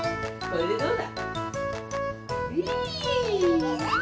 これでどうだ？